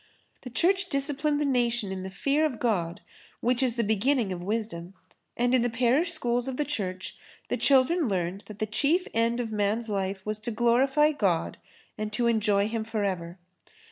The Church disciplined the nation in the fear of God which is the beginning of wisdom and in the parish schools of the Church the children learned that the chief end of man's life was to glorify God and to enjoy Him for ever.